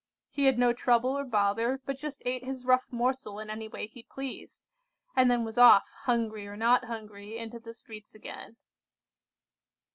He had no trouble or bother, but just ate his rough morsel in any way he pleased, and then was off, hungry or not hungry, into the streets again.